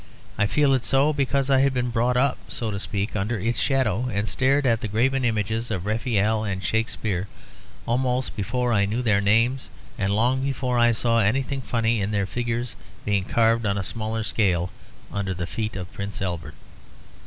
I feel it so because I have been brought up, so to speak, under its shadow; and stared at the graven images of Raphael and Shakespeare almost before I knew their names; and long before I saw anything funny in their figures being carved, on a smaller scale, under the feet of Prince Albert.